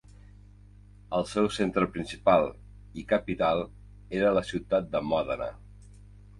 El seu centre principal, i capital, era la ciutat de Mòdena.